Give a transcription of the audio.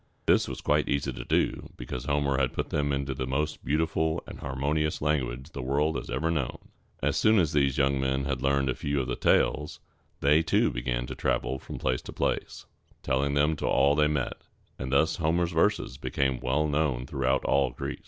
This was quite easy to do, because Homer had put them into the most beautiful and harmonious language the world has ever known. As soon as these young men had learned a few of the tales, they too began to travel from place to place, telling them to all they met; and thus Homer's verses became well known throughout all Greece.